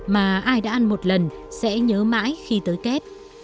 mà ai đã ăn một lần sẽ nhớ mãi khi tới kép